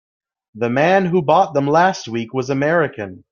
The man who bought them last week was American.